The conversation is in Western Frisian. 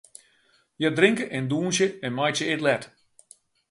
Hja drinke en dûnsje en meitsje it let.